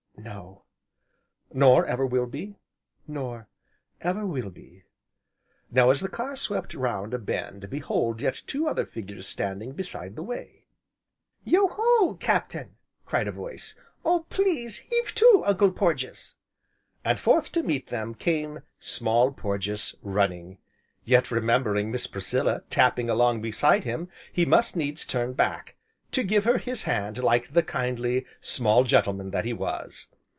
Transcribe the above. "No." "Nor ever will be?" "Nor ever will be." Now as the car swept round a bend, behold yet two other figures standing beside the way. "Yo ho, Captain!" cried a voice, "Oh please heave to, Uncle Porges!" And, forth to meet them, came Small Porges, running. Yet remembering Miss Priscilla, tapping along behind him, he must needs turn back, to give her his hand like the kindly, small gentleman that he was.